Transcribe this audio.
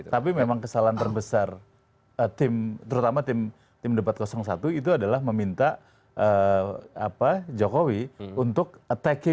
tapi memang kesalahan terbesar terutama tim debat satu itu adalah meminta jokowi untuk attacking